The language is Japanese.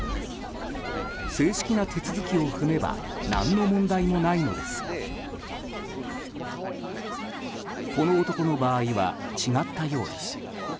正式な手続きを踏めば何の問題もないのですがこの男の場合は違ったようです。